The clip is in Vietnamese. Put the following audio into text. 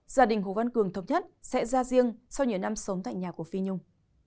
gia đình hồ văn cường thống nhất sẽ ra riêng sau nhiều năm sống tại nhà của phi nhung